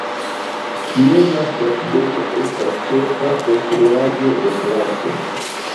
Kieva stacidomo estas ĉefa konstruaĵo de placo.